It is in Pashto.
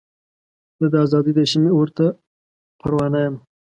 زه د ازادۍ د شمعې اور ته پروانه یمه.